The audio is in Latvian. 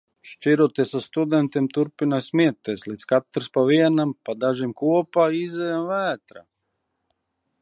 Šķiroties ar studentiem turpinām smieties, līdz katrs pa vienam, pa dažiem kopā izejam vētrā.